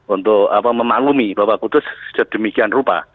untuk memaklumi bahwa kudus sedemikian rupa